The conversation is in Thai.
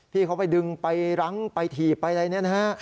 ที่เขาไปดึงไปรั้งไปถีบไปอะไรเนี่ยนะฮะ